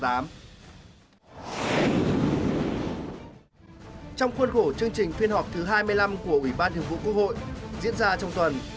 trong khuôn khổ chương trình phiên họp thứ hai mươi năm của ủy ban thường vụ quốc hội diễn ra trong tuần